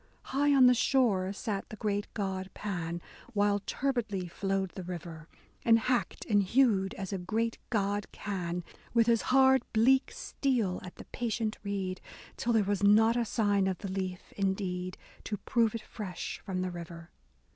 High on the shore sat the great god Pan, While turbidly flowed the river ; And hacked and hewed as a great god can. With his hard bleak steel at the patient reed. Till there was not a sign of the leaf indeed To prove it fresh from the river.